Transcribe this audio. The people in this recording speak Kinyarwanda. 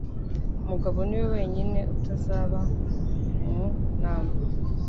Mugabo niwe wenyine utazaba mu nama.